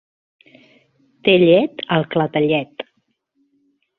Té llet al clatellet.